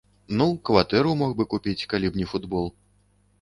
Ну, кватэру мог бы купіць, калі б не футбол.